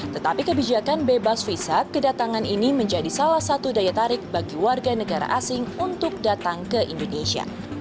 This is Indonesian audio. tetapi kebijakan bebas visa kedatangan ini menjadi salah satu daya tarik bagi warga negara asing untuk datang ke indonesia